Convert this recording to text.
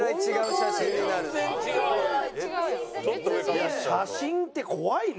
写真って怖いね。